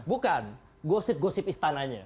bukan politisi dong